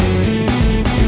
udah bocan mbak